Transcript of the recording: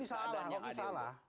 ini salah mungkin salah